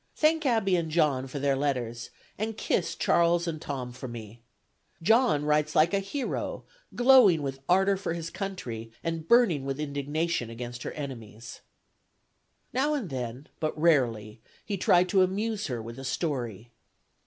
Thank Abby and John for their letters, and kiss Charles and Tom for me. John writes like a hero, glowing with ardor for his country and burning with indignation against her enemies. ..." Now and then, but rarely, he tried to amuse her with a story.